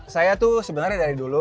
saya tuh sebenarnya dari dulu